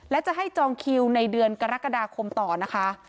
และจะให้จองคิวในเดือนกรกฎาคมต่อนะคะ